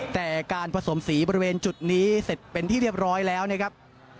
แต่การผสมสีบริเวณจุดนี้เสร็จเป็นที่เรียบร้อยแล้วนะครับ